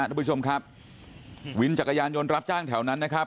ทุกผู้ชมครับวินจักรยานยนต์รับจ้างแถวนั้นนะครับ